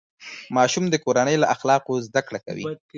ماشوم د کورنۍ له اخلاقو زده کړه کوي.